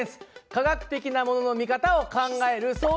科学的なものの見方を考えるそういう。